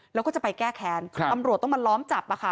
แล้วก็จะไปแก้แค้นตำรวจต้องมาล้อมจับค่ะ